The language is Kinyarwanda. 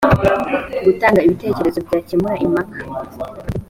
gutanga ibitekerezo byakemura impaka